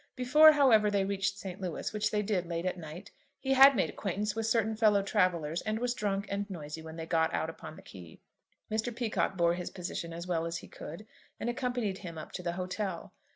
Before, however, they reached St. Louis, which they did late at night, he had made acquaintance with certain fellow travellers, and was drunk and noisy when they got out upon the quay. Mr. Peacocke bore his position as well as he could, and accompanied him up to the hotel.